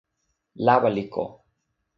lawa li ko.